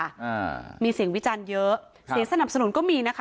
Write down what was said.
อ่ามีเสียงวิจารณ์เยอะเสียงสนับสนุนก็มีนะคะ